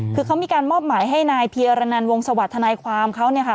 คือเขามีการมอบหมายให้นายเพียรนันวงศวรรค์ทนายความเขาเนี่ยค่ะ